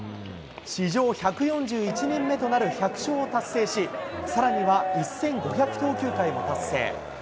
史上１４１人目となる１００勝を達成し、さらには１５００投球回も達成。